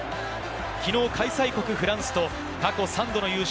きのう開催国フランスと過去３度の優勝